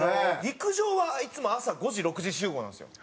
陸上はいつも朝５時６時集合なんですよ。